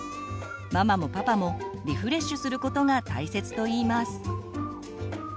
ママもパパもリフレッシュすることが大切といいます。